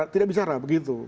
tidak bicara begitu